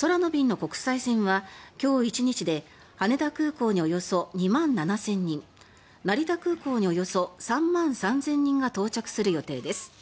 空の便の国際線は今日１日で羽田空港におよそ２万７０００人成田空港におよそ３万３０００人が到着する予定です。